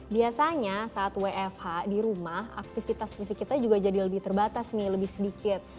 biasanya saat wfh di rumah aktivitas fisik kita juga jadi lebih terbatas nih lebih sedikit